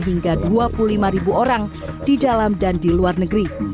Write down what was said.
hingga dua puluh lima ribu orang di dalam dan di luar negeri